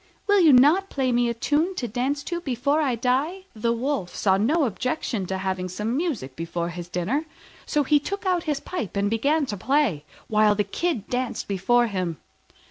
Will you not play me a tune to dance to before I die?" The Wolf saw no objection to having some music before his dinner: so he took out his pipe and began to play, while the Kid danced before him.